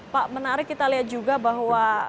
pak menarik kita lihat juga bahwa